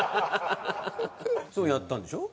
それをやったんでしょ？